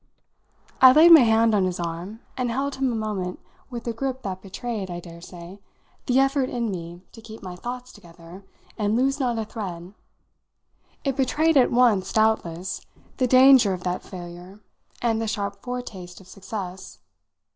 I laid my hand on his arm and held him a moment with a grip that betrayed, I daresay, the effort in me to keep my thoughts together and lose not a thread. It betrayed at once, doubtless, the danger of that failure and the sharp foretaste of success.